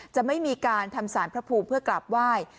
จะไม่มีการทำสารพระภูมิเพื่อกราบไหว้